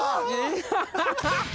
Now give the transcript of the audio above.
ハハハハ！